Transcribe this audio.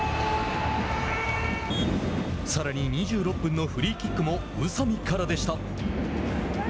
さらに２６分のフリーキックも宇佐美からでした。